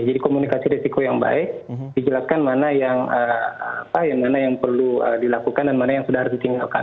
jadi komunikasi resiko yang baik dijelaskan mana yang perlu dilakukan dan mana yang sudah harus ditinggalkan